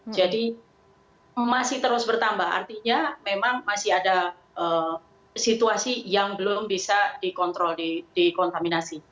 jadi masih terus bertambah artinya memang masih ada situasi yang belum bisa dikontrol dikontaminasi